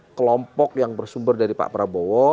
kelompok yang bersumber dari pak prabowo